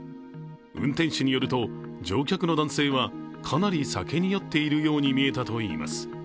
運転手によると、乗客の男性はかなり酒に酔っているように見えたといいます。